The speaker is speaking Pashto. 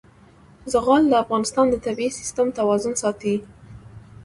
زغال د افغانستان د طبعي سیسټم توازن ساتي.